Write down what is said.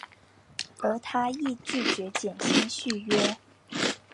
而他亦拒绝减薪续约。